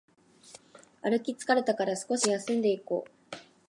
歩き疲れたから少し休んでいこう